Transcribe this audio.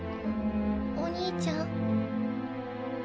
お兄ちゃん？